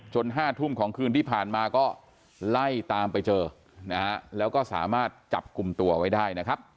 ๕ทุ่มของคืนที่ผ่านมาก็ไล่ตามไปเจอนะฮะแล้วก็สามารถจับกลุ่มตัวไว้ได้นะครับ